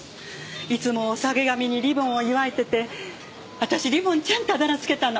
いつもおさげ髪にリボンを結わえてて私リボンちゃんってあだ名つけたの。